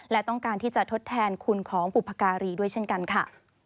และต้องการที่จะทดแทนคุณของบุพการีด้วยเช่นกันค่ะ